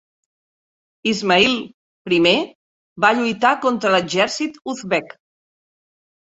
Ismail I va lluitar contra l'exèrcit uzbek.